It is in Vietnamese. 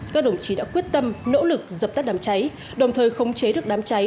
các đồng chí đã quyết tâm nỗ lực dập tắt đám cháy đồng thời khống chế được đám cháy